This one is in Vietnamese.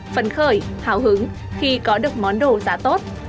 phấn khởi hào hứng khi có được món đồ giá tốt